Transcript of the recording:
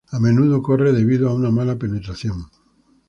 A menudo ocurre debido a una mala penetración.